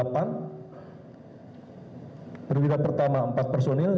pemirah pertama empat personil